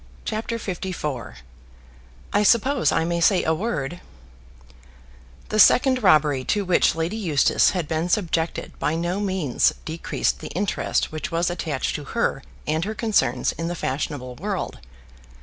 CHAPTER LIV "I Suppose I May Say a Word" The second robbery to which Lady Eustace had been subjected by no means decreased the interest which was attached to her and her concerns in the fashionable world.